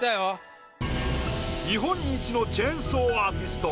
日本一のチェーンソーアーティスト。